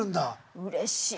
うれしいわ。